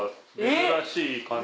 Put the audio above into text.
珍しい感じ。